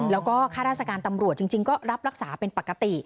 แล้วก็ข้าราชการตำรวจจริงก็รับรักษาเป็นปกติ